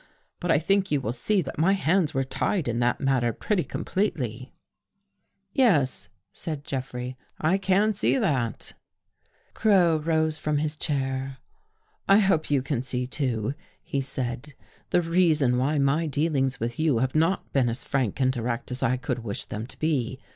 But I think you will see that my hands were tied in that matter pretty completely." " Yes," said Jeffrey, " I can see that." 193 THE GHOST GIRL Crow rose from his chair. "I hope you can see, too," he said, " the reason why my dealings with you have not been as frank and direct as I could wish them to be.